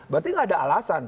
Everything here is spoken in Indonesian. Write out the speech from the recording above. berarti nggak ada alasan